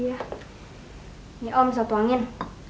ya om bisa tuangkan